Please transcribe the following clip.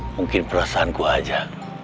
mungkin perasaanku aja